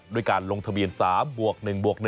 ด้วยการลงทะเบียน๓บวก๑บวก๑